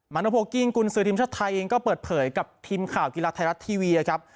โนโพกิ้งกุญสือทีมชาติไทยเองก็เปิดเผยกับทีมข่าวกีฬาไทยรัฐทีวีครับ